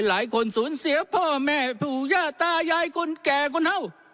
หลายคนสูญเสียพ่อแม่ผู้ย่าตายายคนแก่คนเท่า